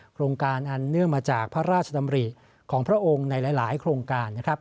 โครงการอันเนื่องมาจากพระราชดำริของพระองค์ในหลายโครงการนะครับ